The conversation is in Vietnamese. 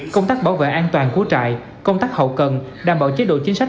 công tác bảo vệ an toàn của trại công tác hậu cần đảm bảo chế độ chính sách